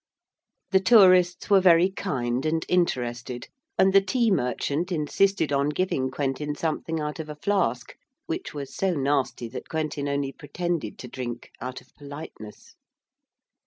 The tourists were very kind and interested, and the tea merchant insisted on giving Quentin something out of a flask, which was so nasty that Quentin only pretended to drink, out of politeness.